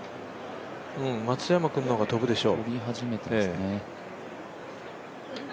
松山君の方が飛ぶでしょう。